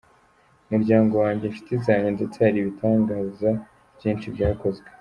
Umuryango wanjye, inshuti zanjye ndetse hari ibitangaza byinshi byakozwe.